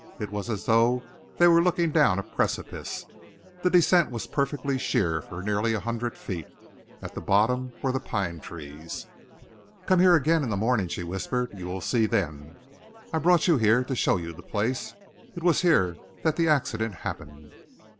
It was as though they were looking down a precipice. The descent was perfectly sheer for nearly a hundred feet. At the bottom were the pine trees. "Come here again in the morning," she whispered. "You will see then. I brought you here to show you the place. It was here that the accident happened."